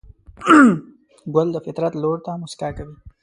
ګل د فطرت لور ته موسکا کوي.